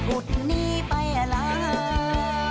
อุดหนี้ไปลา